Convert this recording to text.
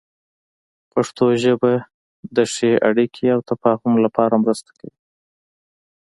پښتو ژبه د ښې اړیکې او تفاهم لپاره مرسته کوي.